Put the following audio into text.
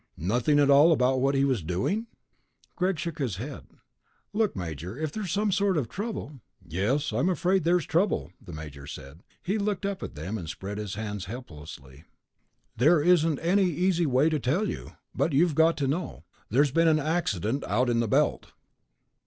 "Nothing at all about what he was doing?" Greg shook his head. "Look, Major, if there's some sort of trouble...." "Yes, I'm afraid there's trouble," the major said. He looked up at them, and spread his hands helplessly. "There isn't any easy way to tell you, but you've got to know. There's been an accident, out in the Belt."